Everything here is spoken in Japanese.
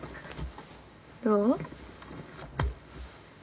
どう？